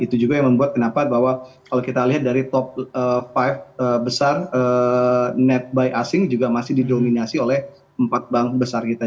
itu juga yang membuat kenapa bahwa kalau kita lihat dari top lima besar netbuy asing juga masih didominasi oleh empat bank besar kita